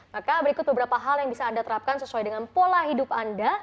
maka berikut beberapa hal yang bisa anda terapkan sesuai dengan pola hidup anda